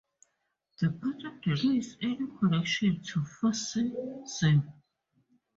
The party denies any connection to fascism.